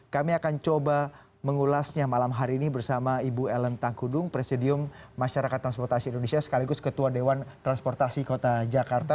kami akan coba mengulasnya malam hari ini bersama ibu ellen tangkudung presidium masyarakat transportasi indonesia sekaligus ketua dewan transportasi kota jakarta